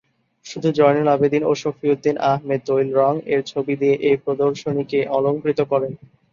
শুধু জয়নুল আবেদীন ও শফিউদ্দীন আহমেদ তৈলরং-এর ছবি দিয়ে এ প্রদর্শনীকে অলঙ্কৃত করেন।